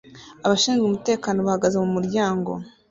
Abashinzwe umutekano bahagaze mu muryango